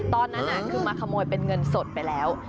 ตอนนั้นคือมาขโมยเป็นเงินสดไปแล้ว